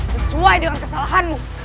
sesuai dengan kesalahanmu